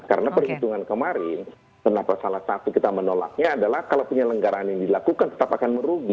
karena perhitungan kemarin kenapa salah satu kita menolaknya adalah kalau penyelenggaran yang dilakukan tetap akan merugi